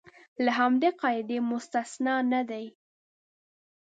له همدې قاعدې مستثنی نه دي.